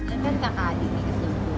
adrian kan kakak adik ini keseluruh buku